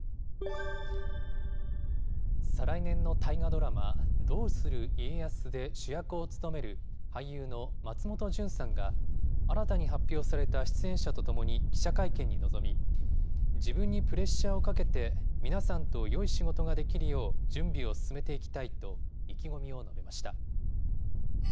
再来年の大河ドラマ、どうする家康で、主役を務める俳優の松本潤さんが、新たに発表された出演者と共に記者会見に臨み、自分にプレッシャーをかけて、皆さんとよい仕事ができるよう準備を進めていきたいと、意気込みを述べました。